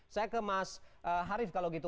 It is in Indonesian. saya ke mas harif kalau gitu